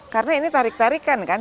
karena ini tarik tarikan kan